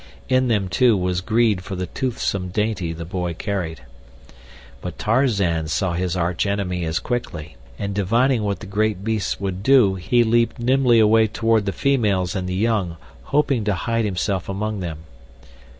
In them, too, was greed for the toothsome dainty the boy carried. But Tarzan saw his arch enemy as quickly, and divining what the great beast would do he leaped nimbly away toward the females and the young, hoping to hide himself among them.